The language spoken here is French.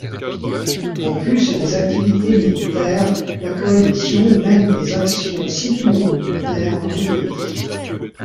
En plus des activités militaires, la coalition mène des actions civilo-militaires dans le pays.